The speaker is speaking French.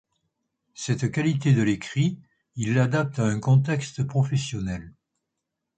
Cette qualité de l’écrit, il l’adapte à un contexte professionnel.